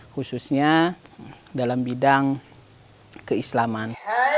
khususnya dalam bidang keislaman